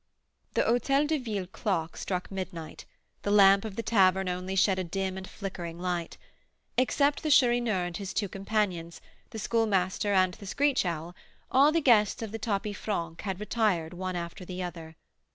The Hotel de Ville clock struck midnight; the lamp of the tavern only shed a dim and flickering light. Except the Chourineur and his two companions, the Schoolmaster, and the Screech owl, all the guests of the tapis franc had retired one after the other.